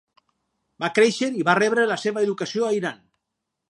Va créixer i va rebre la seva educació a Iran.